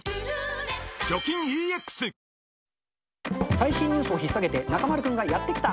最新ニュースをひっさげて、中丸君がやって来た！